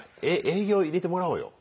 営営業入れてもらおうよ。